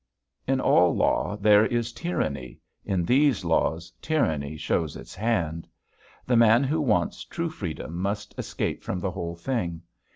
In all law there is tyranny, in these laws tyranny shows its hand. The man who wants true freedom must escape from the whole thing.